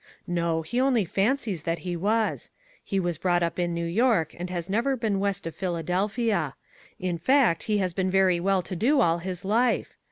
"No. He only fancies that he was. He was brought up in New York, and has never been west of Philadelphia. In fact he has been very well to do all his life.